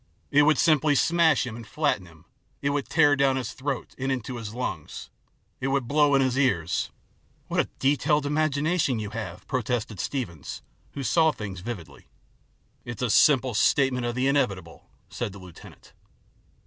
It would simply smash him and flatten him. It would tear down his throat, and into his lungs ; it would blow in his ears" " What a detailed imagination you have !" pro tested Steevens, who saw things vividly. " It's a simple statement of the inevitable," said the lieutenant.